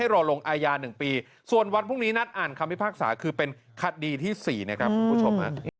รอลงอายา๑ปีส่วนวันพรุ่งนี้นัดอ่านคำพิพากษาคือเป็นคดีที่๔นะครับคุณผู้ชม